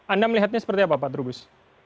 anda melihatnya seperti apa pak trubus